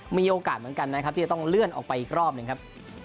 มีโอกาสเหมือนกันนะครับที่จะต้องเลื่อนออกไปอีกรอบหนึ่งครับ